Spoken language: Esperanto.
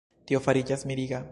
Tio fariĝas miriga.